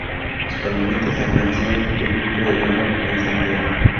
Las palomitas de maíz son un producto de grano de maíz entero.